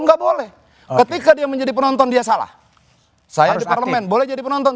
enggak boleh ketika dia menjadi penonton dia salah saya di parlemen boleh jadi penonton